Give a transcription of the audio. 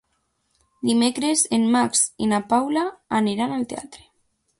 Dimecres en Max i na Paula aniran al teatre.